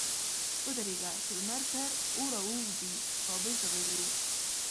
ودرېږه! چې لمر تر اوره ووزي؛ کابل ته به ځو.